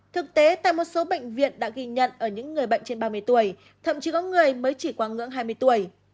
thực tế tại một số bệnh viện đã ghi nhận ở những người bệnh trên ba mươi tuổi thậm chí có người mới chỉ qua ngưỡng hai mươi tuổi